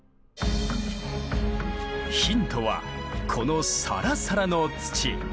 ヒントはこのサラサラの土。